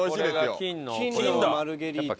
これが金のマルゲリータ。